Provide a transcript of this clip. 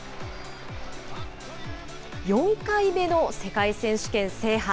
４回目の世界選手権制覇。